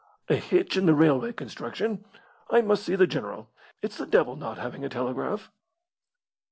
"A hitch in the railway construction. I must see the general. It's the devil not having a telegraph."